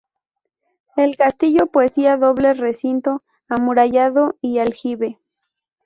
El castillo poseía doble recinto amurallado y aljibe.